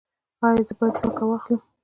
ایا زه باید ځمکه واخلم؟